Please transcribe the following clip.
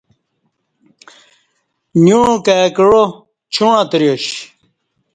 نیوع کای کعا چوݩع اتریاش